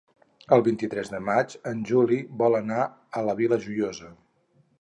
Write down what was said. El vint-i-tres de maig en Juli vol anar a la Vila Joiosa.